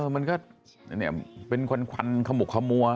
มันก็เป็นควันขมุกขมัว